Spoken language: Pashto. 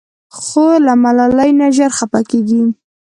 خور له ملالۍ نه ژر خفه کېږي.